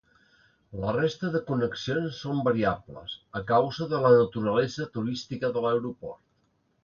La resta de connexions són variables, a causa de la naturalesa turística de l'aeroport.